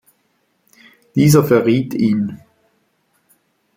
Dieser verriet ihn.